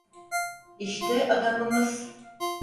İşte adamımız.